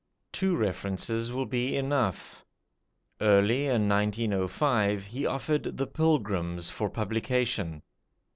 Two references will be enough. Early in 1905 he offered "The Pilgrims" for publication.